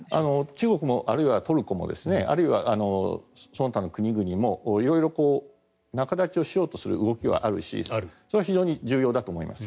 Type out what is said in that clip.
中国、あるいはトルコあるいはその他の国々も色々、仲立ちをしようとする動きもあるしそれは非常に重要だと思います。